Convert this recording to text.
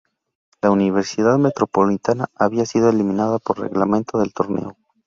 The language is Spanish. La Universidad Metropolitana había sido eliminada por reglamento del torneo.